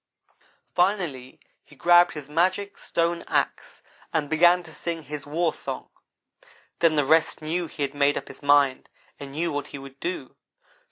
Finally he grabbed his magic stone axe, and began to sing his warsong. Then the rest knew he had made up his mind and knew what he would do.